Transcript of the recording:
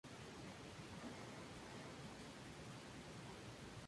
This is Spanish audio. Incluso, se sabe de torbellinos en otros planetas.